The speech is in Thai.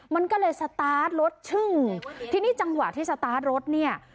มันก็เลยสตาร์ทรถชึ่งทีนี้จังหวะที่สตาร์ทรถเนี่ย